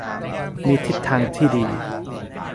มีทิศทางที่ดี